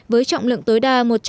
với trọng lượng tối đa